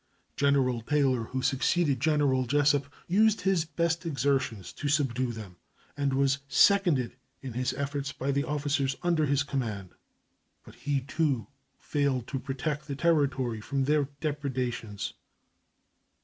General Taylor, who succeeded General Jesup, used his best exertions to subdue them, and was seconded in his efforts by the officers under his command; but he too failed to protect the Territory from their depredations.